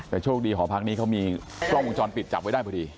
แต่โชคดีหอพักนี้เขามีกล้องวงจรปิดจับไว้ได้พอดี